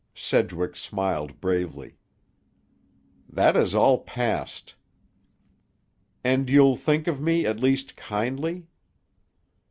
Sedgwick smiled bravely. "That is all past." "And you'll think of me at least kindly?"